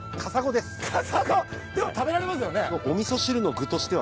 でも食べられますよね？